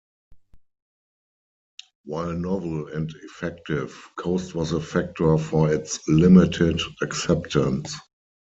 While novel and effective, cost was a factor for its limited acceptance.